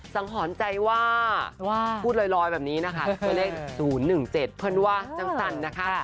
สังหรณ์ใจว่าพูดลอยแบบนี้นะคะว่าเลข๐๑๗เพื่อนว่าจังสรรนะคะ